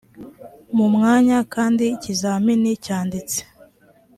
mu mwanya kandi ikizamini cyanditse